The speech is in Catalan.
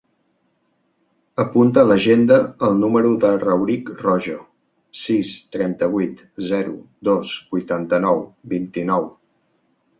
Apunta a l'agenda el número del Rauric Rojo: sis, trenta-vuit, zero, dos, vuitanta-nou, vint-i-nou.